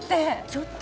ちょっと？